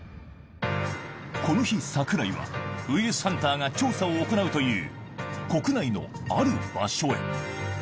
この日、櫻井はウイルスハンターが調査を行うという、国内のある場所へ。